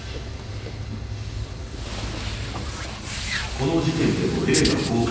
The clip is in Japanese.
この時点での映画公開